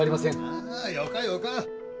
あよかよか。